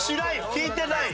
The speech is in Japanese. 聞いてないよ。